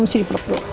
sini peluk dulu